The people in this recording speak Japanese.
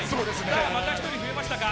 また１人増えましたか。